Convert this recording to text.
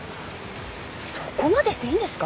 そこまでしていいんですか？